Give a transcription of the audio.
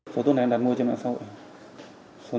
số thuốc này đặt mua trên mạng xã hội